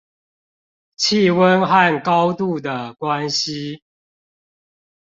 氣溫和高度的關係